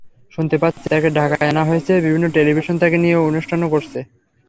শুনতে পাচ্ছি, তাঁকে ঢাকায় আনা হয়েছে, বিভিন্ন টেলিভিশন তাঁকে নিয়ে অনুষ্ঠানও করছে।